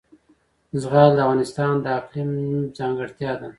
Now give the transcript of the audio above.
زغال د افغانستان د اقلیم ځانګړتیا ده.